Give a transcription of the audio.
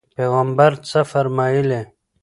پیغمبر څه فرمایلي؟